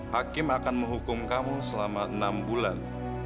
hakim akan menghukum kamu selama enam bulan